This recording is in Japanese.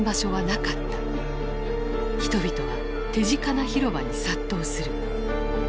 人々は手近な広場に殺到する。